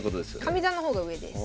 上座の方が上です。